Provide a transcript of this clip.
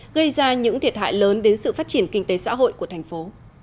gây ra những thiệt hại lớn đến sự phát triển kinh tế xã hội của thành phố